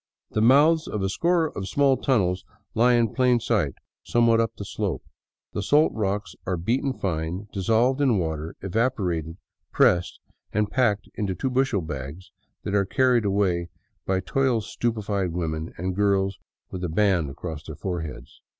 The mouths of a score of small tunnels lie in plain sight somewhat up the slope. The salt rocks are beaten fine, dissolved in water, evaporated, pressed, and packed into two bushel bags that are carried away by toil stupefied women and girls with a band across their foreheads.